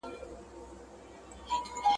خریدار یې همېشه تر حساب تیر وي !.